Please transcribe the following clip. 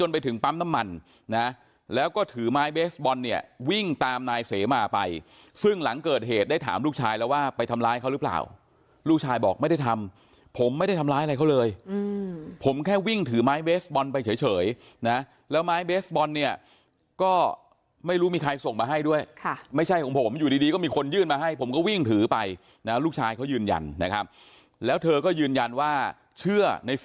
ไปถึงปั๊มน้ำมันนะแล้วก็ถือไม้เบสบอลเนี่ยวิ่งตามนายเสมาไปซึ่งหลังเกิดเหตุได้ถามลูกชายแล้วว่าไปทำร้ายเขาหรือเปล่าลูกชายบอกไม่ได้ทำผมไม่ได้ทำร้ายอะไรเขาเลยผมแค่วิ่งถือไม้เบสบอลไปเฉยนะแล้วไม้เบสบอลเนี่ยก็ไม่รู้มีใครส่งมาให้ด้วยค่ะไม่ใช่ของผมอยู่ดีดีก็มีคนยื่นมาให้ผมก็วิ่งถือไปนะลูกชายเขายืนยันนะครับแล้วเธอก็ยืนยันว่าเชื่อในเส